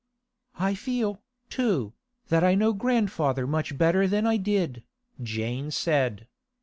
'I feel, too, that I know grandfather much better than I did,' Jane said.